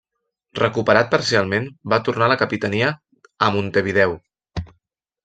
Recuperat parcialment va tornar a la capitania a Montevideo.